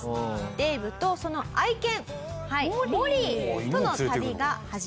デイブとその愛犬モリーとの旅が始まりました。